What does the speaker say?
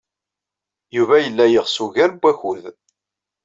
Yuba yella yeɣs ugar n wakud.